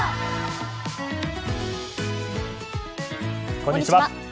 こんにちは。